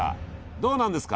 どうなんですか？